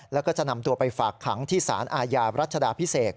แล้วก็จะนำตัวไปฝากขังที่สารอาญารัชดาพิเศษ